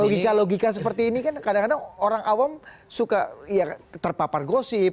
logika logika seperti ini kan kadang kadang orang awam suka ya terpapar gosip